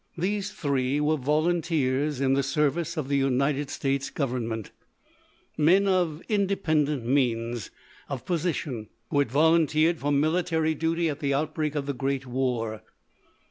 These three were volunteers in the service of the United States Government—men of independent means, of position, who had volunteered for military duty at the outbreak of the great war.